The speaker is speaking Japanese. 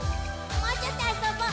もうちょっとあそぼう！